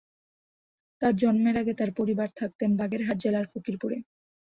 তার জন্মের আগে তার পরিবার থাকতেন বাগেরহাট জেলার ফকিরপুরে।